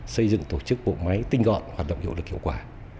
xây dựng tổ chức bộ máy tinh gọn hoặc động dụng được hiệu quả